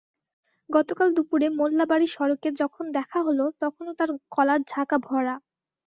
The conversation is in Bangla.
গতকাল দুপুরে মোল্লাবাড়ি সড়কে যখন দেখা হলো তখনো তাঁর কলার ঝাঁকা ভরা।